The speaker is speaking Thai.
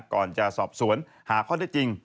ก่อนจะสอบสวนหาข้อได้จริง